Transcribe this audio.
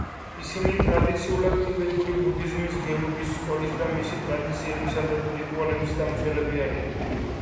ისინი ტრადიციულად ტიბეტური ბუდიზმის გელუგის სკოლის და მისი ტრადიციებისა და რიტუალების დამცველები არიან.